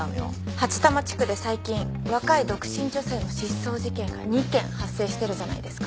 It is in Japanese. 八多摩地区で最近若い独身女性の失踪事件が２件発生してるじゃないですか。